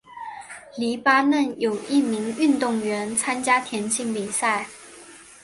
黎巴嫩有一名运动员参加田径比赛。